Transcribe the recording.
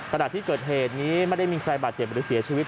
ขณะที่เกิดเหตุนี้ไม่ได้มีใครบาดเจ็บหรือเสียชีวิต